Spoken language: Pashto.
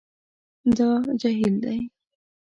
دا جهیل دی